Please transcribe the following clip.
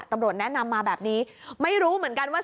ตำรวจแนะนำมาแบบนี้ไม่รู้เหมือนกันว่า